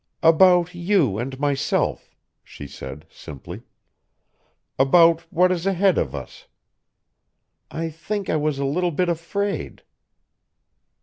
"About you and myself," she said simply. "About what is ahead of us. I think I was a little bit afraid."